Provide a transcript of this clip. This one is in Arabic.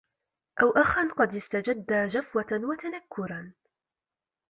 أَوْ أَخًا قَدْ اسْتَجَدَّ جَفْوَةً وَتَنَكُّرًا